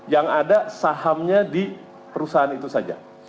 yang ada sahamnya di perusahaan itu saja